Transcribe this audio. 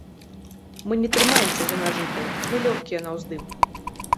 Мы не трымаемся за нажытае, мы лёгкія на ўздым.